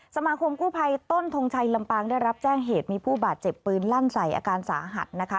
สมาคมกู้ภัยต้นทงชัยลำปางได้รับแจ้งเหตุมีผู้บาดเจ็บปืนลั่นใส่อาการสาหัสนะคะ